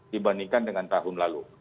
dibandingkan dengan tahun lalu